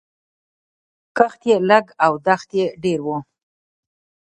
کښت یې لږ او دښت یې ډېر و